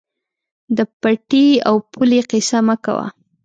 د پټي او پولې قیصه مه کوه.